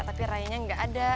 tapi rayanya enggak ada